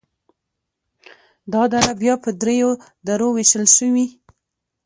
دا دره بیا په دریو درو ویشل شوي: